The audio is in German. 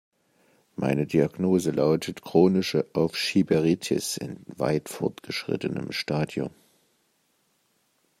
Meine Diagnose lautet chronische Aufschieberitis in weit fortgeschrittenem Stadium.